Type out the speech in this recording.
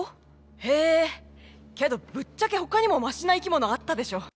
へえ、けどぶっちゃけほかにも、ましな生き物あったでしょ。